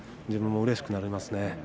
自分もうれしくなります。